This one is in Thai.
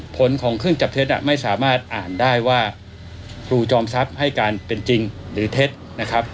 ผลของเครื่องจับเท็จไม่สามารถอ่านได้ว่าครูจอมทรัพย์ให้การเป็นจริงหรือเท็จนะครับ